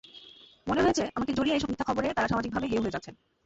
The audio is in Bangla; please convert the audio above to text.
মনে হয়েছে, আমাকে জড়িয়ে এসব মিথ্যা খবরে তাঁরা সামাজিকভাবে হেয় হয়ে যাচ্ছেন।